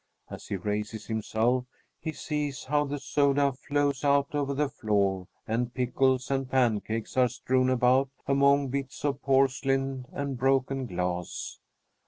As he raises himself, he sees how the soda flows out over the floor and pickles and pancakes are strewn about among bits of porcelain and broken glass.